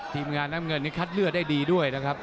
ทีมงานน้ำเงินนี้คัดเลือกได้ดีด้วยนะครับ